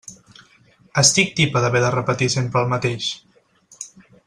Estic tipa d'haver de repetir sempre el mateix.